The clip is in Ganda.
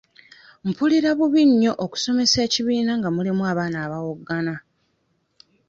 Mpulira bubi nnyo okusomesa ekibiina nga mulimu abaana abawoggana.